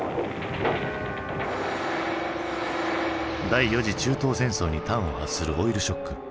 第４次中東戦争に端を発するオイルショック。